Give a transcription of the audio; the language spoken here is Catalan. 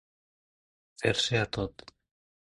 Fer-se a tot.